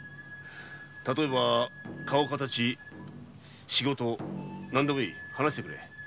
例えば顔形仕事何でもいい話してくれ。